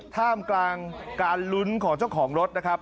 ท่ามกลางการลุ้นของเจ้าของรถนะครับ